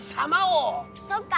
そっか。